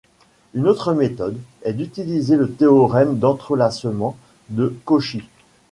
Une autre méthode est d'utiliser le théorème d'entrelacement de Cauchy.